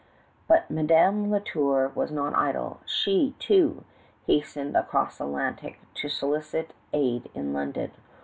But Madame La Tour was not idle. She, too, hastened across the Atlantic to solicit aid in London.